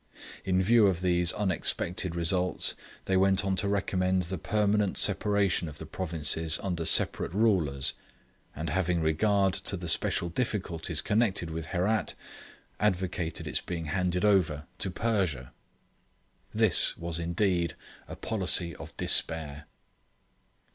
In view of these unexpected results, they went on to recommend the permanent separation of the provinces under separate rulers; and having regard to the special difficulties connected with Herat, advocated its being handed over to Persia! This was indeed a policy of despair!